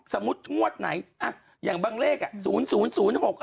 สมมติงวัดไหนอ่ะอย่างบางเลขอ่ะ